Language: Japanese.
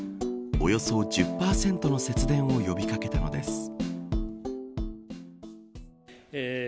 およそ１０％の節電を呼び掛けたのです。